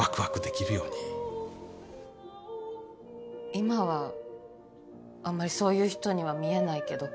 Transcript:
今はあんまりそういう人には見えないけど。